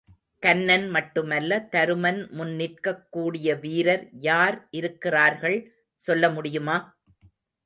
கன்னன் மட்டுமல்ல, தருமன் முன் நிற்கக்கூடியவீரர் யார் இருக்கிறார்கள் சொல்லமுடியுமா?